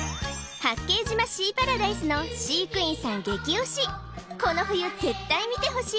八景島シーパラダイスの飼育員さん激推しこの冬絶対見てほしい！